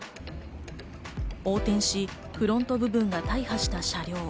横転し、フロント部分が大破した車両。